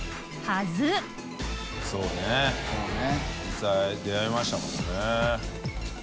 尊出会いましたもんね。